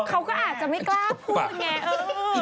เขาก็อาจจะไม่กล้าพูดไง